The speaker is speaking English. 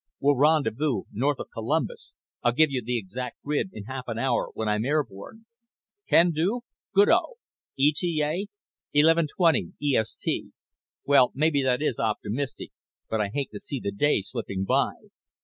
We'll rendezvous north of Columbus I'll give you the exact grid in half an hour, when I'm airborne. Can do? Good o! ETA? Eleven twenty EST. Well, maybe that is optimistic, but I hate to see the day slipping by.